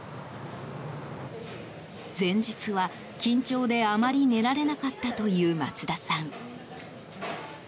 前日は緊張であまり寝られなかったという松田さん。